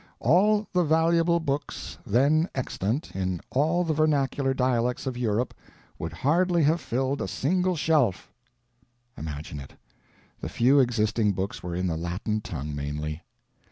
"All the valuable books then extant in all the vernacular dialects of Europe would hardly have filled a single shelf"—imagine it! The few existing books were in the Latin tongue mainly.